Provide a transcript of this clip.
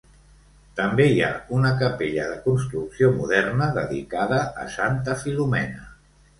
També hi ha una capella, de construcció moderna, dedicada a Santa Filomena.